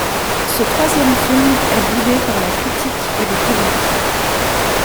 Ce troisième film est boudé par la critique et le public.